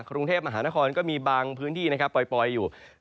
กรุงเทพมหานครก็มีบางพื้นที่นะครับปล่อยอยู่